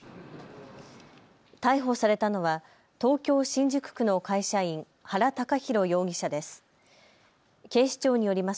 逮捕されたのは東京新宿区の会社員、原高弘容疑者です。